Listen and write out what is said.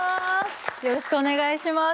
よろしくお願いします。